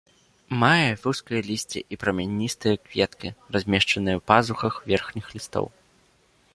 Мае вузкае лісце і прамяністыя кветкі, размешчаныя ў пазухах верхніх лістоў.